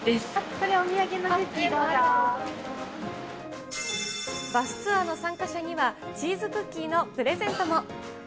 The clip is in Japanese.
これ、お土産のクッキーどうバスツアーの参加者にはチーズクッキーのプレゼントも。